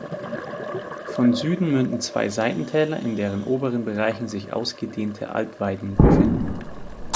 Von Süden münden zwei Seitentäler, in deren oberen Bereichen sich ausgedehnte Alpweiden befinden.